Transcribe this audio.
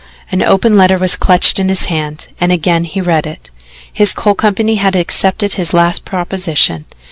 An open letter was clutched in his hand, and again he read it. His coal company had accepted his last proposition.